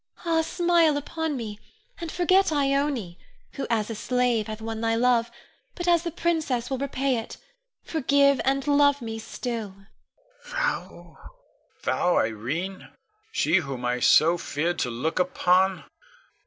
Ah, smile upon me, and forget Ione, who as a slave hath won thy love, but as the princess will repay it, forgive, and love me still! Con. Thou, thou Irene, she whom I so feared to look upon?